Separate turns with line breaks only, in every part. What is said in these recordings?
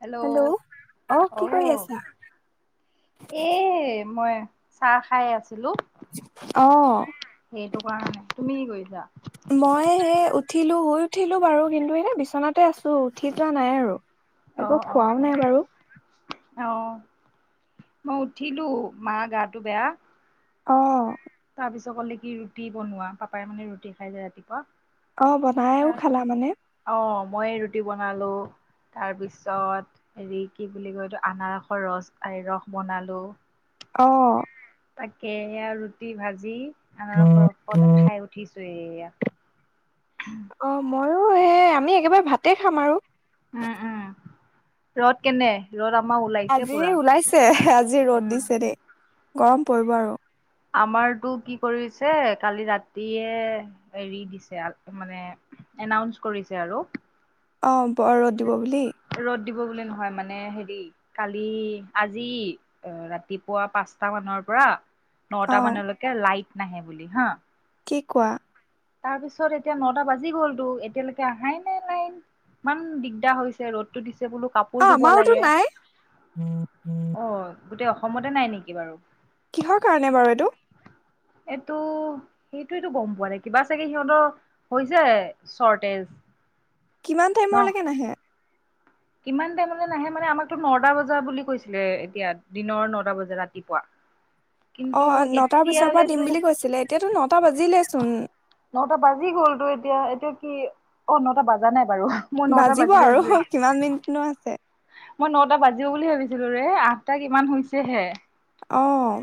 Hello.
অ কি কৰি
আহ,
আছা?
এ মই চাহ খাই আছিলো।
আহ'।
এতো কৰা নাই তুমি কি কৰিছা?
মই সে উঠিলো শুই উঠিলো বাৰু কিন্তু এনে বিচনাতে আছো উঠি যোৱা নাই আৰু একো খোৱাও নাই বাৰু।
অঁ মই উঠিলো মাৰ গাটো বেয়া।
অঁ।
তাৰ পিছত ক'লে কি ৰুটি বনোৱা পাপাই মানে ৰুটি খাই যায় ৰাতিপুৱা।
অঁ বনাইও
তাৰ
খালা মানে?
অ মই ৰুটি বনালোঁ তাৰপিছত হেৰি কি বুলি কয় এইটো আনাৰসৰ ৰস বনালোঁ।
অঁ
তাকে সেইয়া ৰুটি ভাজি আনাৰসৰ ওপতে খাই উঠিছো। সেইয়া
অঁ মইও সেই আমি একেবাৰে ভাতে খাম আৰু
উম, উম ৰদ কেনে? ৰ'দ আমাৰ ওলাইছে
আজি
পুৰা
ওলাইছে আজি ৰ'দ দিছে দেই। গৰম পৰিব আৰু।
আমাৰতো কি কৰিছে কালি ৰাতিয়ে হেৰি দিছে মানে এনাউঞ্চ কৰিছে আৰু
অ', বৰ ৰদ দিব বুলি?
ৰ'দ দিব বুলি নহয় মানে হেৰি কালি আজি ৰাতিপুৱা পাঁচটা মানৰ পৰা
অ
নটা মানলৈকে লাইট নাহে বুলি হা
কি কোৱা
তাৰ পিছত এতিয়া নটা বাজি গ'লতো এতিয়ালৈকে আহাই নাই লাইন ইমান দিগদাৰ হৈছে ৰ'দতো দিচে বোলো
অ
কাপোৰ ধুব
আমাৰোতো
লাগে
নাই।
অ গোটেই অসমতে নাই নেকি বাৰু?
কিহৰ কাৰণে বাৰু এইটো
এইটো সেইটোটো গম পোৱা নাই কিবা চাগে সিহঁতৰ হৈছে ছৰতেজ।
কিমান টাইমৰলৈকে নাহে
কিমান টাইমলৈ নাহে মানে আমাকতো নটা বজা বুলি কৈছিলে এতিয়া দিনৰ নটা বজা ৰাতিপুৱা। কিন্তু
অঁ নটাৰ পিছৰ পৰা দিম
এতিয়ালেতো
বুলি কৈছিলে এতিয়াতো নটা বাজিলেচোন।
নটা বাজি গ'লতো এতিয়া এতিয়া কি অ', নটা বাজা নাই। বাৰু মই নটা
বাজিব
বাজিলে
আৰু [unintelligible] আছে।
মই নটা বাজিব বুলি ভাবিছিলো ৰে আঠটা কিমান হৈছেহে।
অঁ।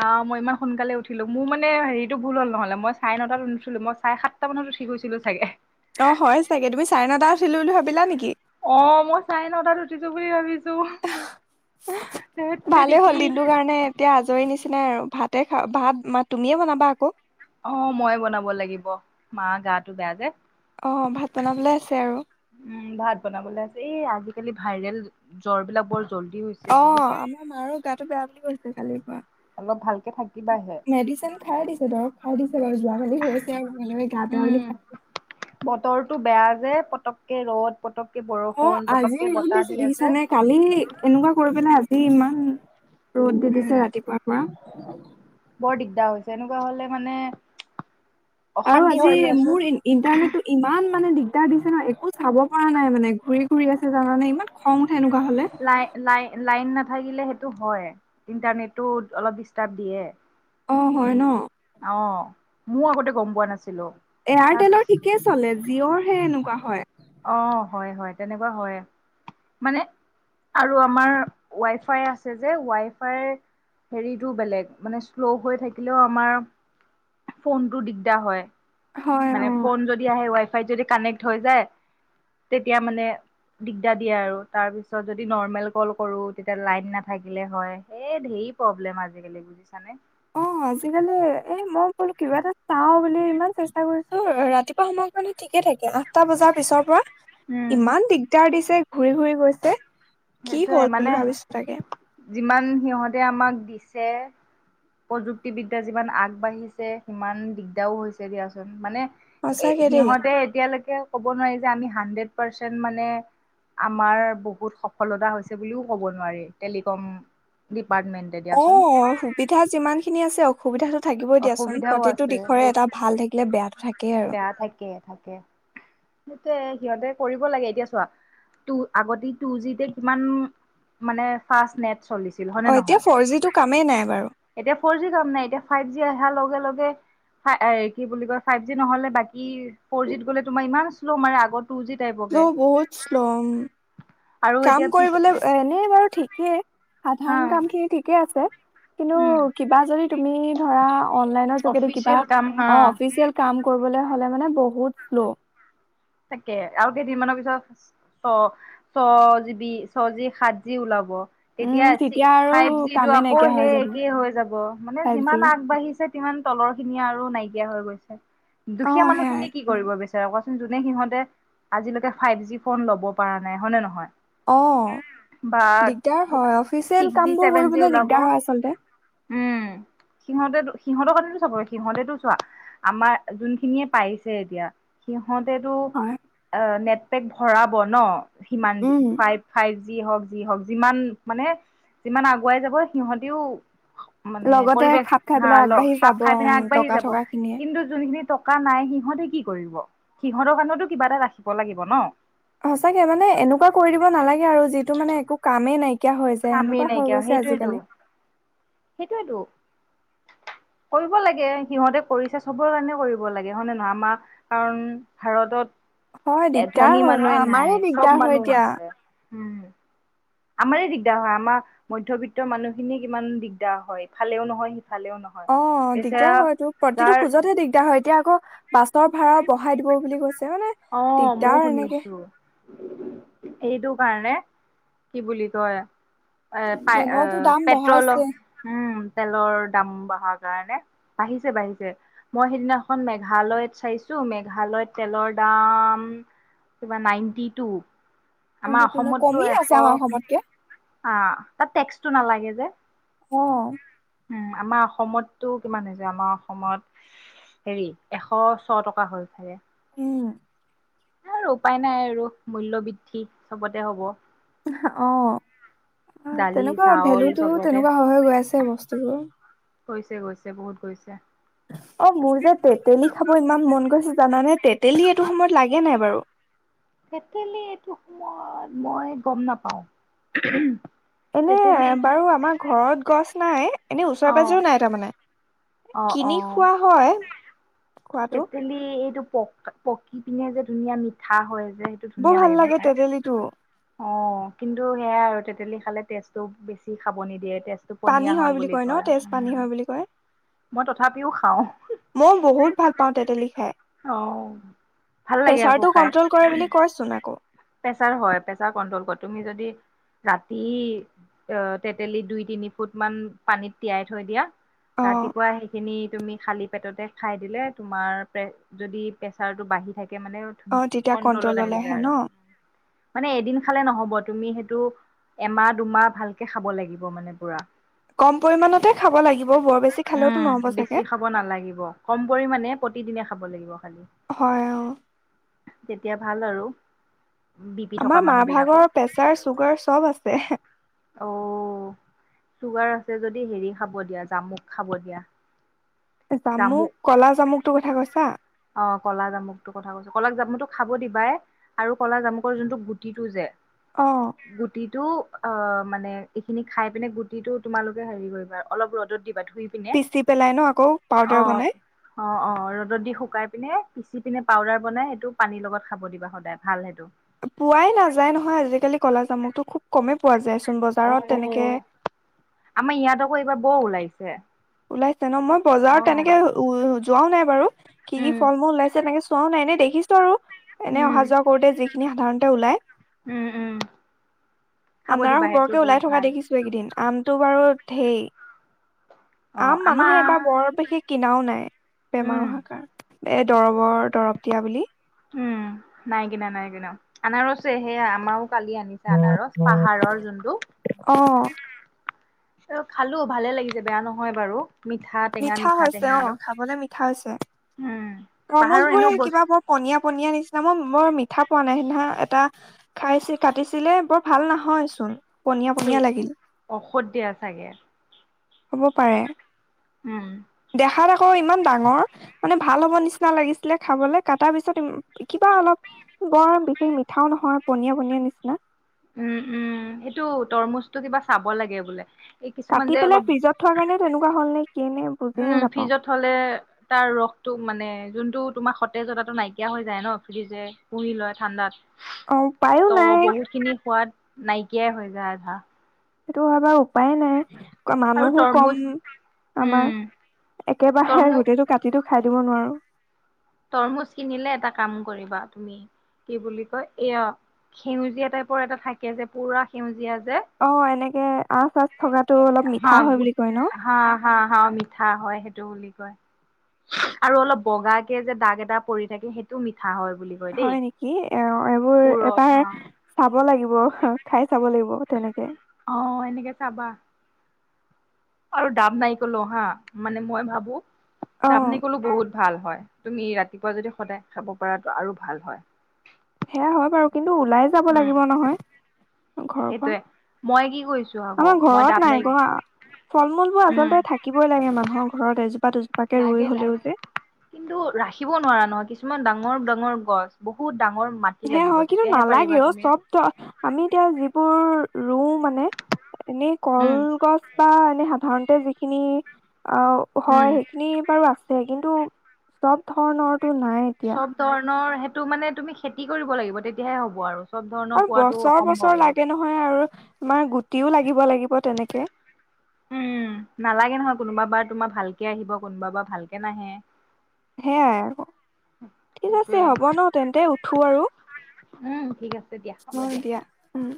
অঁ মই ইমান সোনকালে উঠিলো মোৰ মানে হেৰিটো ভুল হ'ল নহ'লে মই চাৰে নটাত নোঠিলো মই চাৰে সাতটা মানত উঠি গৈছিলো চাগে
অঁ হয় চাগে তুমি চাৰে নটাত উঠিলো বুলি ভাবিলা নেকি?
অঁ মই চাৰে নটাত উঠিছো বুলি ভাবিছো। ধেত
ভালেই
তেৰিকি
হ'ল দিনটোৰ কাৰণে এতিয়া আজৰি নিচি নাই আৰু ভাতে খা ভাত মা তুমিয়ে বনাবা আকৌ
অ মইয়ে বনাব লাগিব, মাৰ গাটো বেয়া যে
অ ভাত বনাবলে আছে আৰু
উম ভাত বনাবলৈ আছে এই আজিকালি ভাইৰেল জ্বৰ বিলাকবৰ
অ আমাৰ মাৰো গাটো বেয়া বুলি কৈছে কালিৰ পৰা।
অলপ ভালকে থাকিবাহে
মেডিচিন খাই দিছে ধৰক খাই দিছে বাৰু যোৱাকালি হৈছে আৰু এনেই গা বেয়া বুলি
তৰটো বেয়া যে পটককে ৰ'দ পতককে
অ
বৰষুণ
আজি
পতককে
ৰ'দ
বতাহ দি
দিছে
আছে
দেখিছানে? কালি এনেকুৱা কৰি পেলাই ইমান ৰ'দ দি
উম
দিছে ৰাতিপুৱাৰ পৰা। উ [unintelligible]
বৰ দিগদাৰ হৈছে, তেনেকুৱা হ'লে মানে
আৰু
অশান্তি
আজি
হয় দিয়াচোন
মোৰ ইন ইণ্টাৰনেটটো ইমান ইমানে দিগদাৰ দিছে ন একো চাব পৰা নাই মানে, ঘূৰি ঘূৰি আছে জানানে ইমান খং সেনেকুৱা হ'লে
লাই লাই লাইন নাথাকিলে সেইটো হয়, ইণ্টাৰনেটটো অলপ ডিষ্টাৰ্ব দিয়ে।
অ হয় ন
অ' ময়ো আগতে গম পোৱা নাছিলো। তাৰপিছ
এয়াৰটেলৰ ঠিকেই চলে জিঅ'ৰ হে এনেকুৱা হয়।
অ' হয়- হয় তেনেকুৱা হয় মানে, আৰু আমাৰ ৱাইফাই আছে যে ৱাই ফাইৰ হেৰিটো বেলেগ মানে শ্ল' হৈ থাকিলেও আমাৰ ফোনটো দিগদাৰ হয়।
হয়
মানে ফোন
অ
যদি আহে ৱাই যদি কানেক্ট হৈ যায়, তেতিয়া মানে দিগদাৰ দিয়ে আৰু তাৰপিছত যদি নৰ্মেল কল কৰো, তেতিয়া লাইন নাথাকিলে হয় সেই ধেৰ প্ৰব্লেম আজিকালি বুজিছানে।
অ' আজিকালি এ মই বোলো কিবা এটা চাও বুলি ইমান চেষ্টা কৰিছো ৰাতিপুৱা সময় কাৰণি ঠিকে থাকে আঠটা বজাৰ পিছৰ পৰা
উম
ইমান দিগদাৰ দিছে। ঘূৰি -ঘূৰি গৈছে। কি
সেইটোয়ে
হ'ল
মানে
বুলি ভাবিছো তাকে
যিমান সিহঁতে আমাক দিছে প্ৰযুক্তিবিদ্যা যিমান আগবাঢ়িছে, সিমান দিগদাৰও হৈছে দিয়াচোন মানে এ,
সঁচাকে দেই
সিহঁতে এতিয়ালৈকে। ক'ব নোৱাৰি যে আমি হাণ্ড্ৰেট পাৰ্চেন মানে আমাৰ বহুত সপ সফলতা হৈছে বুলিও ক'ব নোৱাৰি। টেলিকম দীপ
অ', সুবিধা যিমানখিনি আছে অসুবিধা তত থাকিবই দিয়াচোন।
অসুবিধাও
প্ৰতিটো
আছে
দিশৰে
সেই
এটা ভাল থাকিলে বেয়াটো থাকেই আৰু।
কে, সেইটোৱে সিহঁতে কৰিব লাগে এতিয়া চোৱা, টু আগতি টু জিতে কিমান মানে ফাষ্ট নেট। চলিছিল হয়নে
অ এতিয়া
নহয়?
ফ'ৰ জিটো কামেই নাই বাৰু
এতিয়া ফ'ৰ জি কাম নাই। এতিয়া যি আহা লগে লগে হা, এ, কি বুলি কয় ফাইব জি নহলে বাকী ফ'ৰ জিত গ'লে তোমাৰ ইমান শ্ল' মাৰে আগত।
ল, বহুত শ্লম।
আৰু এতিয়া
কাম
পিছ
কৰিবলৈও এনে। বাৰু ঠিকে।
হা
সাধাৰণ কামখিনি ঠিকে আছে। কিন্তু
উম
কিবা যদি তুমি ধৰা অলনাইনৰ যোগেদি কিবা
অফিচিয়েল কাম হা
অফিচিয়েল কাম কৰিবলেহ। ভালে মানে বহুত লো।
তাকে আৰু কেইদিনমানৰ পিছত ছ, ছ জিবি ছ জি সাত জি ওলাব। তেতিয়া
উম
চি,
আৰু
ফাইব জিটো
কামেই
আকৌ
নাইকিয়া হৈ
সেই
যাব
একেই হৈ যাব। মানে
ফাইভ
যিমান
জিৰ'
আগবাঢ়িছে তিমান তলৰখিনি আৰু নাই দিয়া হৈ গৈছে।
অ
দুখীয়া
সেয়াই
মানুহখিনি কি কৰিব বেছ তে কোৱাচোন যুদ নে সিহঁতে আজিলৈকে ফাইব জি ফ'ন ল'ব পাৰা নাই। হয় নে নহয়?
অ',
বা
দিগদাৰ হয়। অফিচিয়েল
ছিক্স জি
কামবোৰ
ছেভেন জি
কৰিবলৈ
ওলাব
দিগদাৰ হয় আচলতে।
সিহঁতেটো সিহঁতৰ কাৰণেতো চবৰে সিহঁতেটো চোৱা আমাৰ যোনখিনিয়ে পাৰিছে এতিয়া সিহ সিহঁতেটো
হয়
আ, নেট। পেক ভৰাব ন'। সিমান যি
উম
ফাইব ফাইব। যি হওক যি হওক যিমান মানে যিমান আগুৱাই যাব সিহঁতিও। মানে
লগতে
পৰিৱেশ
খাপ খাই
হা,
পেলাই
ল,
আগবাঢ়ি
খাপ
যাব
খাই পিনে
উম
আগবাঢ়ি
টকা
যাব।
থকা খিনিয়ে
কিন্তু যোনখিনি টকা নাই সিহঁতে কি কৰিব? সিহঁতৰ কাৰণটো কিবা এটা ৰাখিব লাগিব ন'?
সঁচাকে মানে এনেকুৱা কৰি দিব নালাগে। আৰু যিটো মানে একো কামেই নাই। কিয়া হৈ যায়
কামেই
এনুকুৱা হৈ গৈছে আজিকালি।
সেইটোয়েটো কৰিব লাগে। সিহঁতে কৰিছে চবৰ কাৰণে কৰিব লাগে। হয়নে নহয়? আমাৰ কাৰণ ভাৰতত।
হয়
এ
দিগদাৰ
ধনী
হয়। অ',
মানুহে নাই
আমাৰে
চব
দিগদাৰ হয়
মানুহ
এতিয়া।
আছে উম। আমাৰে দিগদাৰ হয়। আমাৰ মধ্যবিত্তৰ মানুহখিনি কিমান দিগদাৰ হয়। ইফালেও নহয় সি
অ দিগদাৰ হয়টো প্ৰতিটো
যাৰ
খোজতে দিগদাৰ হয় এতিয়া আকৌ বাছৰ ভাড়া বঢ়াই দিব বুলি কৈছে মানে
অ ময়ো
দিগদাৰ এনেকে
শুনিছো এইটো কাৰণে কি বুলি কয় পাই পায়
তেলৰটো দাম
পেট্ৰ'লো
বঢ়াইছে
উম তেলৰ দাম বঢ়াৰ কাৰণে বাঢ়িছে বাঢ়িছে মই সেইদিনাখন মেঘালয়ত চাইছো মেঘালয়ত তেলৰ দাম কিবা নিয়েইণ্টি টো। আমাৰ
টুৱেন্টি টু ন
অসমতটো
কমি
এশ।
আছে আমাৰ অসমতকে
আ, [unintelligible] টেক্স টো নালাগে যে।
অহ '।
উম, আমাৰ অসমতটো কিমান হৈছে আমাৰ অসমত হেৰি এশ ছ টকা হ'ল চাগে।
উম।
আৰু উপায় নাই আৰু। মূল্য বৃদ্ধি চবতে হব।
অহ '। অ,
দালি
তেনেকুৱা
চাউল
ভেলুটো
চবতে
তেনেকুৱা হৈ হৈ গৈ আছে বস্তুবোৰ।
গৈছে গৈছে বহুত গৈছে
অ, মোৰ যে তেতেলী খাব ইমান মন গৈছে জানে তেতেলী এইটো সময়ত লাগে নাই বাৰু?
তেতেলি এইটো সময়ত মই গম নাপাও।
এনে বাৰু আমাৰ ঘৰত গছ নাই। এনে ওচৰে
অঁ
পাজৰেও নাই তাৰমানে। কিনি খোৱা হয়। খোৱাটো
তেতেলি এইটো পক পকি পিনে যে ধুনীয়া মিঠা হয় যে সেইটো
বৰ ভাল লাগে তেতেলীটো।
অ, কিন্তু সেয়াই আৰু তেতেলি খালে তেজটো বেছি খাব নিদিয়ে
পানী হয় বুলি কয় ন। তেজ পানী হয় বুলি কয়।
মই তথাপিও খাও।
মই বহুত ভাল পাওঁ তেতেলী খাই।
অঁ ভাল লাগে
প্ৰেচাৰটো কন্ট্ৰল কৰে বুলি কয়চোন আকৌ।
প্ৰেচাৰ হয় প্ৰেচাৰ কন্ট্ৰল কৰা তুমি যদি ৰাতি তেতেলী দুই, তিনি ফুট মান পানীত তিয়াই থৈ দিয়া
অ
ৰাতিপুৱা সেইখিনি তুমি খালী পেটতে খাই দিলে তোমাৰ যদি প্ৰেচাৰটো বাঢ়ি থাকে মানে
অ তেতিয়া
কন্ট্ৰলত
কন্ট্ৰললে
আহি
আহে
যায়
ন
আৰু। মানে এদিন খালে নহব তুমি সেইটো এমাহ দুমাহ ভালকে খাব লাগিব মানে পুৰা।
কম পৰিমাণতে খাব লাগি
উম। বেছি খাব নালাগিব। কম পৰিমাণে প্ৰতিদিনে খাব লাগিব। খালি
হয় অ'।
তেতিয়া ভাল আৰু বি পি থকা
আমাৰ
মানুহ
মাৰ
বিলাকৰ
ভাগৰ প্ৰেচাৰ চুগাৰ চব আছে।
অ চুগাৰ আছে যদি হেৰি খাব দিয়া জামু খাব দিয়া। জামু
জামুক কলা জামুকটো কথা কৈছা
অ কলা জামুকটোৰ কথা কৈছো কলা জামুকটো খাব দিবাই আৰু কলা জামুকৰ যোনটো গুটিটো যে
অহ।
টো অ মানে এইখিনি খাই পিনে গুটিটো তোমালোকে হেৰি কৰিবা অলপ ৰ'দত দিবা ধুই পিনে
পিচি পেলাই ন আকৌ?
অ
পাউদাৰ বনাই
অ অ ৰ'দত দি শুকাই পিনে পিচি পিনে পাউদাৰ বনাই সেইটো পানীৰ লগত খাব দিবা সদায়, ভাল সেইটো।
পোৱাই নাযায় নহয় আজিকালি কলা জামুটো, খুব কমেই পোৱা যায় চু
অঁ অ আমাৰ ইয়াত আকৌ এইবাৰ বৰ ওলাই ছে [inaudible]
ওলাই ন মই বজাৰত তেনেকে ও যোৱাও নাই বাৰু। কি কি
উম
ফল মূল ওলাইছে তেনেকে চোৱাও নাই এনেই দেখিছো আৰু। এনেই অহা
উম
যোৱা কৰোতে যি খিনি সাধাৰণতে ওলায়
উম উম খাব
আনাৰস
দিবা সেইটো
বৰকে ওলাই
বহুত
থকা
ভাল
দেখিছো এইকেইদিন আমটো বাৰু ধেই
অ
আম মানুহে এবাৰ
আমাৰ
বৰ বেছি কিনাও নাই বেমাৰ
উম
অহা কাৰ এই দৰৱৰ দৰৱ দিয়া বুলি।
উম নাই কিনা নাই কিনা অনাৰসো সেয়া আমাও কালি আনিছে আনাৰস পাহাৰৰ যোনটো
অ
অ খালো ভালে লাগিছে বেয়া নহয় বাৰু। মিঠা টেঙা
মিঠা হৈছে
টেঙা
অ
আৰু
খাবলে মিঠা হৈছে।
উম পাহাৰৰ
তৰমুজ বোৰ
এনেও
হে
বস্তু
কিবা বৰ পনীয়া পনীয়া নিচিনা মই মই মিঠা পোৱা নাই সিদিনা এটা খাইছে কাটিছিলে বৰ ভাল নহয় চোন পনীয়া
সেই
পনীয়া লাগিল।
ঔষধ দিয়া চাগে।
হ'ব পাৰে।
উম
দেখাত আকৌ ইমান ডাঙৰ মানে ভাল হ'ব নিচিনা লাগিছিলে খাবলে কটাৰ পিছত ইম কিবা অলপ বৰ বিশেষ মিঠাও নহয় পনীয়া পনীয়া নিচিনা।
উম-উম সেইটো তৰমুজটো কিবা খাব লাগে বোলে। এই কিছুমান
কাটি
যে
পেলাই
অলপ
ফ্ৰিজত থোৱাৰ কাৰণে তেনেকুৱা হ'ল নেকি।
উম ফ্ৰিজত থ'লে তাৰ ৰসটো মানে যোনটো তোমাৰ সতেজতাটো নাইকিয়া হৈ যায় ন ফ্ৰিজে পুহি লয় ঠাণ্ডাত।
অ' পায়ো নাই
নাইকিয় হৈ যায় আধা।
সেইটো হব উপায় নাই।
আৰু
মানুহো কম
তৰমুজ উম
আমাৰ একেবাৰে
তৰমু
গোটেইটো কাটিটো খাই দিব নোৱাৰোঁ।
তৰমুজ কিনিলে এটা কাম কৰিবা তুমি কি বুলি কয় এয়া সেউজীয়া টাইপৰ এটা থাকে যে পুৰা সেউজীয়া যে
অ' এনেকে আচ চাচ থকাাতটো অলপ
হা
মিঠা হয় বুলি
গোট
কয় ন
হা হা হা মিঠা হয় সেইটো বুলি কয় আৰু অলপ বগা যে দাগ এটা পৰি থাকে সেইটো মিঠা। হয় বুলি কয় দেই
হয় নেকি অ' এইবোৰ
পুৰত
এবাৰ
হা
চ চাব লাগিব খাই চাব লাগিব।। তেনেকে,
আহ এনেকে চাবা। আৰু দাব নাই কলো হা। মানে মই ভাবো
অ
দাব নাৰিকলো বহুত ভাল হয়। তুমি ৰাতিপুৱা যদি সদায় খাব পাৰাতটো আৰু ভাল হয়।
সেয়া হয় বাৰু কিন্তু টো ওলাই যাব
উম
লাগিব নহয়। ঘৰৰ পৰা।
সেইটোৱে মই কি কৰিছো আকৌ
আমাৰ
মই
ঘৰত
দাব
নাই ক হ। ফল-মূল বোৰ
উম
আচল্ততে থাকিবই লাগে মানুহৰ ঘৰত এজোপ
লাগে, লাগে। কিন্তু ৰাখিব নোৱাৰা নহয় কিছুমান ডাঙৰ গছ বহুত ডাঙৰ মাটি
সে
লাগিব
হয়। কিন্তু
তেতিয়াহে পাৰিবা
নালাগেও
তুমি
চব তো আমি এতিয়া যিবোৰ ৰৰু মানে এনে কল
উম
গছ বা এনেই সাধাৰণতে যি খিনি অ, হয়
উম
সেইখিনি বাৰু আছে। কিন্তু চব ধৰণৰ
চব ধৰণৰ হে টো মানে তুমি খেতি কৰিব লাগিব তেতিয়াহে হ'ব আৰু। চব ধৰণৰ
আৰু
পোৱাটো
বছৰ,
অসম্ভৱ
বছৰ
আৰু
লাগে নহয় আৰু। আমাৰ গো গুটি লাগিব লাগিব তেনেকে।
উম, নালাগে নহয় কোনোবা বাৰ তোমাৰ ভালকে আহিব কোনোবা বাৰ ভালকে নাহে।
সেয়াই আকৌ। ঠিক আছে
সেইটোয়ে
হ'ব ন তেন্তে উঠো আৰু।
উম, ঠিক আছে দিয়া হ'ব
মহ দিয়া। উম'।